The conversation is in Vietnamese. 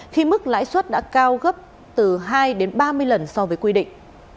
khi mức lãi suất đã cao gấp từ hai đến ba mươi lần so với quy định